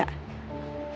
ditunggu aja ya